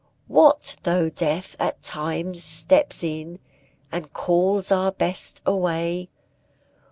What though Death at times steps in, And calls our Best away?